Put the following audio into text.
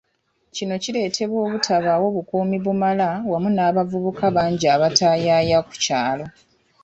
Kino kiletebwa obutabawo bukuumi bumala wamu n'abavubuka bangi abataayaaya ku kyalo.